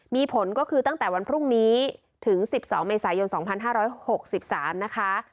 มีผลก็คือตั้งแต่วันพรุ่งนี้ถึง๑๒เมษายน๒๕๖๓นะคะ